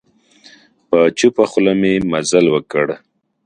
په چوپه خوله مي مزل وکړ .